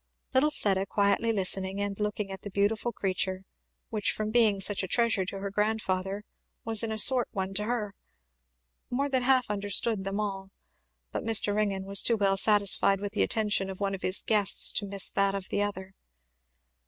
Little Fleda quietly listening and looking at the beautiful creature, which from being such a treasure to her grandfather was in a sort one to her, more than half understood them all; but Mr. Ringgan was too well satisfied with the attention of one of his guests to miss that of the other.